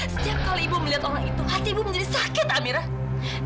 setiap kali ibu melihat orang itu hati ibu menjadi sakit amirah